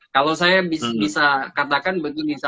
kalau saya bisa katakan begini